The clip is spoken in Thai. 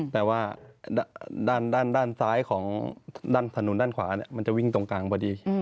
แต่ว่าด้านซ้ายของด้านถนนด้านขวามันจะวิ่งตรงกลางพอดี